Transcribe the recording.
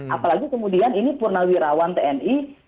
apalagi kemudian ini purnawirawan tni